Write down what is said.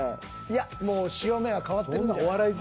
いやもう潮目は変わってるんじゃない？